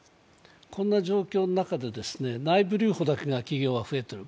こんな状況の中で内部留保だけは企業は増えている。